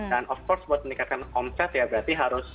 dan of course buat meningkatkan omset ya berarti harus